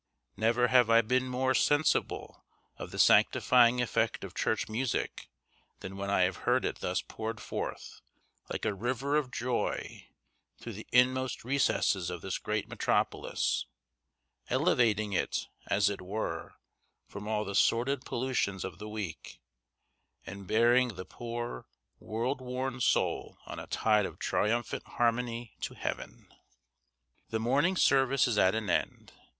Never have I been more sensible of the sanctifying effect of church music than when I have heard it thus poured forth, like a river of joy, through the inmost recesses of this great metropolis, elevating it, as it were, from all the sordid pollutions of the week, and bearing the poor world worn soul on a tide of triumphant harmony to heaven. The morning service is at an end.